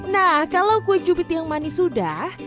nah kalau kue jubit yang manis sudah